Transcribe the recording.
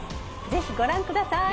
ぜひご覧ください！